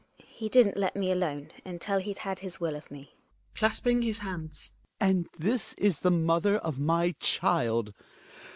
He didn't let me alone until he'd had his will of me. Hjalmar {clasping his hands). And this is the mother JH\;J^ of my child